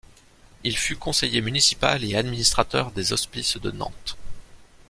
Il fut conseiller municipal et administrateur des hospices de Nantes.